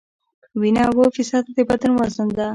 وینه اووه فیصده د بدن وزن ده.